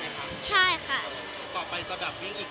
แล้วก็คุณแอบใจของพี่ตูนด้วยใช่ไหมใช่ค่ะ